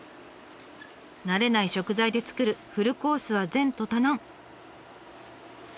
慣れない食材で作るフルコースは前途多難。